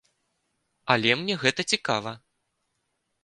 Але мне гэта цікава!